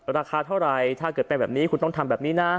ราคาเท่าไหร่ถ้าเกิดเป็นแบบนี้คุณต้องทำแบบนี้นะ